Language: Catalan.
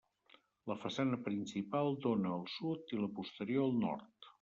La façana principal dóna al sud i la posterior al nord.